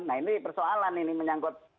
nah ini persoalan ini menyangkut